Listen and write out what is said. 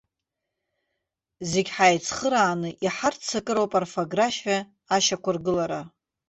Зегьы ҳаицхырааны иҳарццакыроуп аорфографиа ашьақәыргылара!